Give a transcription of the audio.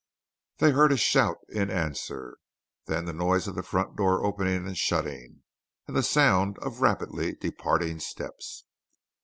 They heard a shout in answer; then the noise of the front door opening and shutting, and the sound of rapidly departing steps.